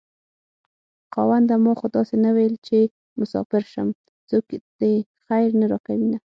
خاونده ما خو داسې نه وېل چې مساپر شم څوک دې خير نه راکوينه